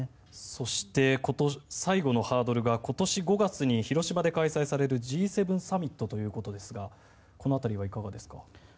そして、最後のハードルが今年５月に広島で開催されるＧ７サミットということですがこの辺りはいかがですか？